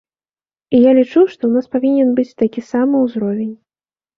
І я лічу, што ў нас павінен быць такі самы ўзровень.